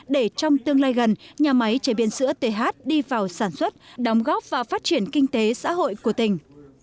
để trong tương lai gần nhà máy chế biến sữa th đi vào sản xuất đóng góp và phát triển kinh tế xã hội của tỉnh